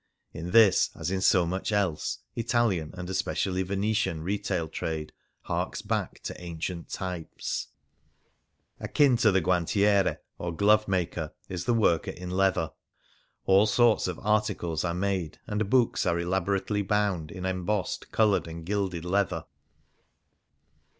In this, as in so much elsC; Italian, and especially Venetian, retail trade harks back to ancient types. 139 Things Seen in Venice Akin to the guantiere, or glove maker, is the worker in leather. All sorts of articles are made, and books are elaborately bound in em bossed, coloured, and gilded leather.